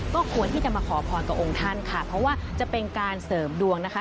ก็ควรที่จะมาขอพรกับองค์ท่านค่ะเพราะว่าจะเป็นการเสริมดวงนะคะ